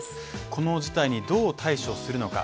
この事態にどう対処するのか。